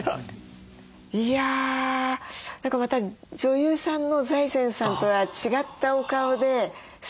いや何かまた女優さんの財前さんとは違ったお顔ですてきですね。